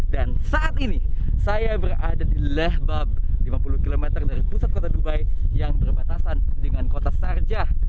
dan saat ini saya berada di lahbab lima puluh km dari pusat kota dubai yang berbatasan dengan kota sarjah